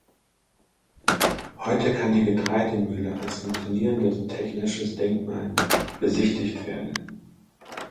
Heute kann die Getreidemühle als funktionierendes technisches Denkmal besichtigt werden.